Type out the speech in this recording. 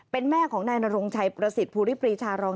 เป็นแม่ของนายนรงชัยประสิทธิภูริปรีชารอง